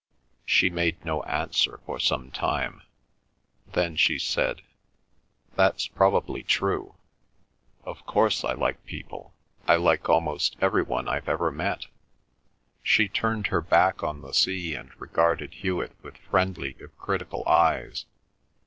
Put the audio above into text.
She made no answer for some time. Then she said: "That's probably true. Of course I like people—I like almost every one I've ever met." She turned her back on the sea and regarded Hewet with friendly if critical eyes.